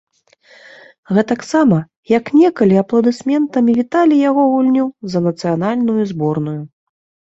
Гэтаксама, як некалі апладысментамі віталі яго гульню за нацыянальную зборную.